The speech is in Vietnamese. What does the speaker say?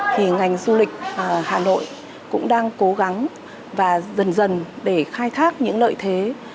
thì ngành du lịch hà nội cũng đang cố gắng và dần dần để khai thác những lợi thế